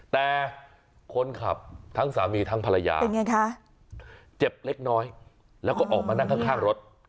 แต่คนขับทั้งสามีทั้งภรรยาเป็นไงคะเจ็บเล็กน้อยแล้วก็ออกมานั่งข้างรถ